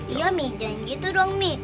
iya mi jangan gitu dong mi